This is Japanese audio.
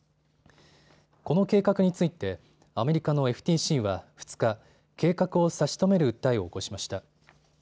この計画についてアメリカのＦＴＣは２日、計画を差し止める訴えを起こしました。